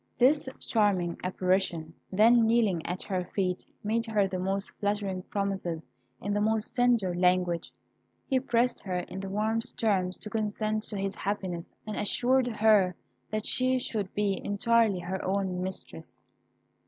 This charming apparition then kneeling at her feet, made her the most flattering promises in the most tender language. He pressed her in the warmest terms to consent to his happiness, and assured her that she should be entirely her own mistress.